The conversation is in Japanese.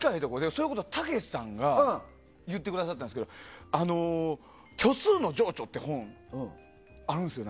それこそ、たけしさんが言ってくださったんだけど「虚数の情緒」って本があるんですよ。